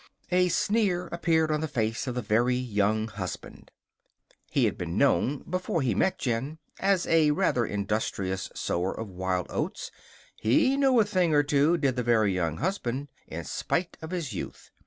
A sneer appeared on the face of the Very Young Husband. He had been known before he met Jen as a rather industrious sower of wild oats. He knew a thing or two, did the Very Young Husband, in spite of his youth!